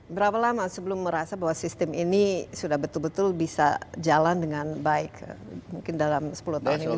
berapa lama sebelum merasa bahwa sistem ini sudah betul betul bisa jalan dengan baik mungkin dalam sepuluh tahun ini